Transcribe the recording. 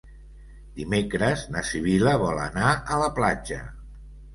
Dimecres na Sibil·la vol anar a la platja.